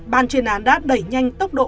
ban truyền án đã đẩy nhanh tốc độ